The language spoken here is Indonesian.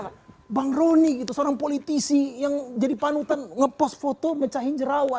karena bang roni gitu seorang politisi yang jadi panutan ngepost foto mecahin jerawat